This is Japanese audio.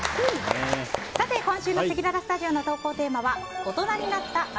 さて今週のせきららスタジオの投稿テーマは大人になった＆